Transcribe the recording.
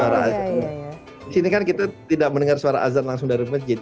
di sini kan kita tidak mendengar suara azan langsung dari masjid